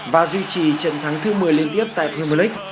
vì trận thắng thứ một mươi liên tiếp tại premier league